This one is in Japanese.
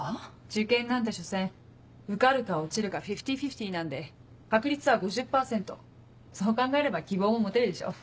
受験なんて所詮受かるか落ちるかフィフティフィフティなんで確率は５０％。そう考えれば希望も持てるでしょ。